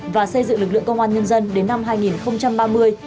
và xây dựng lực lượng công an nhân dân đến năm hai nghìn ba mươi